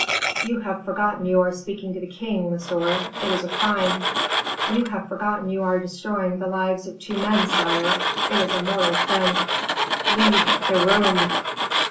"You have forgotten you are speaking to the king, monsieur. It is a crime." "You have forgotten you are destroying the lives of two men, sire. It is a mortal sin." "Leave the room!"